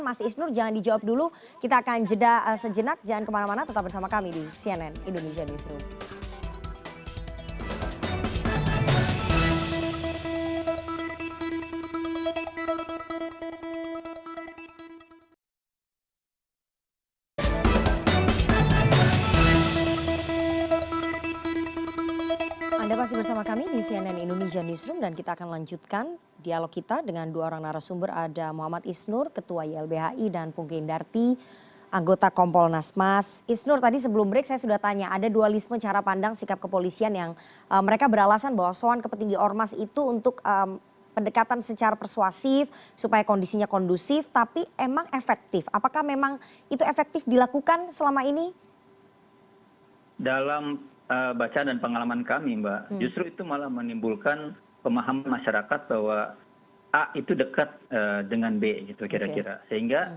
mas isnur jangan dijawab dulu kita akan jeda sejenak jangan kemana mana tetap bersama kami di cnn indonesia news